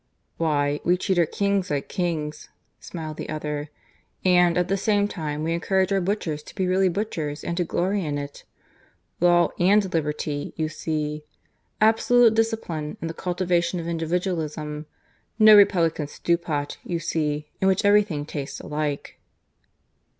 "Why, we treat our kings like kings," smiled the other. "And, at the same time, we encourage our butchers to be really butchers and to glory in it. Law and liberty, you see. Absolute discipline and the cultivation of individualism. No republican stew pot, you see, in which everything tastes alike."